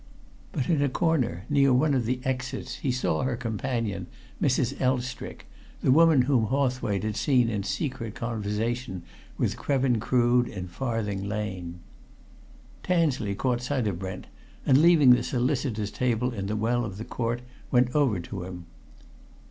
But in a corner near one of the exits he saw her companion, Mrs. Elstrick, the woman whom Hawthwaite had seen in secret conversation with Krevin Crood in Farthing Lane. Tansley caught sight of Brent, and leaving the solicitors' table in the well of the court went over to him.